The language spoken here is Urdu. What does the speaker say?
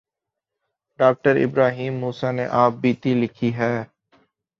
ڈاکٹرابراہیم موسی نے آپ بیتی لکھی ہے۔